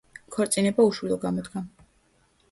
ქორწინება უშვილო გამოდგა.